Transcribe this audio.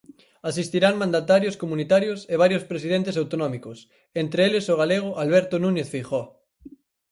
Asistirán mandatarios comunitarios e varios presidentes autonómicos, entre eles o galego Alberto Núñez Feijóo.